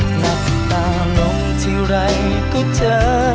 หลับตาลงทีไรก็เจอ